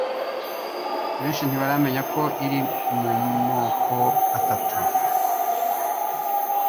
benshi ntibaramenya ko iri mu moko atatu